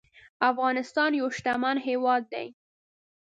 افغانستان يو شتمن هيواد دي